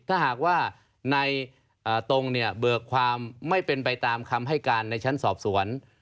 ถ้าหากว่าในตรงเนี่ยเบิกความไม่เป็นไปตามคำให้การในชั้นสอบสวน